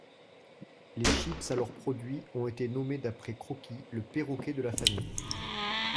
Les chips alors produits ont été nommés d'après Croky, le perroquet de la famille.